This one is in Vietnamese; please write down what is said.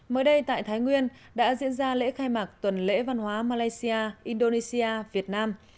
mới đây tại thái nguyên đã diễn ra lễ khai mạc tuần lễ văn hóa malaysia indonesia việt nam